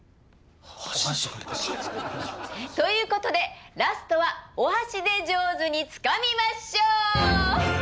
お箸。ということでラストは「お箸で上手に掴みまショー」！